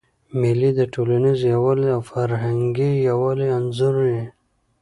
مېلې د ټولنیز یووالي او فرهنګي یووالي انځور يي.